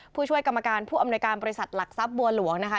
ผู้ช่วยกรรมการผู้อำนวยการบริษัทหลักทรัพย์บัวหลวงนะคะ